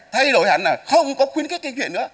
thay đổi hẳn là không có khuyến khích kinh chuyện nữa